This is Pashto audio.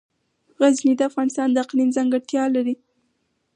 غزني د افغانستان د اقلیم ځانګړتیا ده.